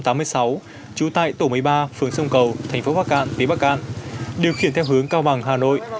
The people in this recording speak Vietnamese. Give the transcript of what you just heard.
trú tại tổ mấy ba phường sông cầu thành phố bạc cạn tỉnh bạc cạn điều khiển theo hướng cao bằng hà nội